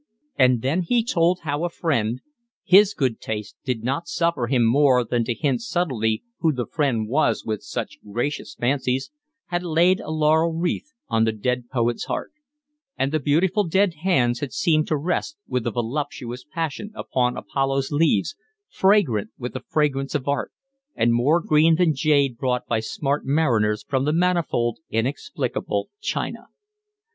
And then he told how a friend—his good taste did not suffer him more than to hint subtly who the friend was with such gracious fancies—had laid a laurel wreath on the dead poet's heart; and the beautiful dead hands had seemed to rest with a voluptuous passion upon Apollo's leaves, fragrant with the fragrance of art, and more green than jade brought by swart mariners from the manifold, inexplicable China.